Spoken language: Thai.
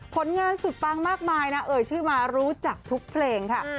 ผลงานสุดปังมากมายนะเอ่ยชื่อมารู้จักทุกเพลงค่ะ